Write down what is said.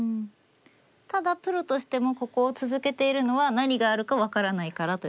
ただプロとしてもここを続けているのは何があるか分からないからという？